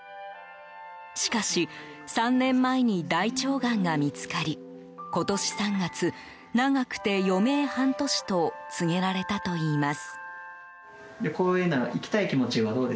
しかし、３年前に大腸がんが見つかり今年３月、長くて余命半年と告げられたといいます。